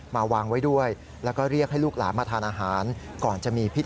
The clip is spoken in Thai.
มาวางไว้ด้วยแล้วก็เรียกให้ลูกหลานมาทานอาหารก่อนจะมีพิธี